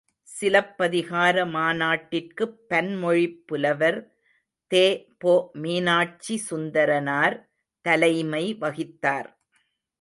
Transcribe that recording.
சிலப்பதிகார மாநாட்டிற்குப் பன்மொழிப் புலவர் தெ.பொ.மீனாட்சிசுந்தரனார் தலைமை வகித்தார்.